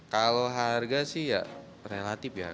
kalau harga sih ya relatif ya